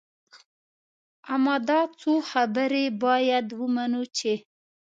اما دا څو خبرې باید ومنو چې.